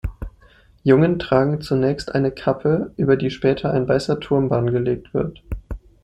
Jungen tragen zunächst eine Kappe, über die später ein weißer Turban gelegt wird.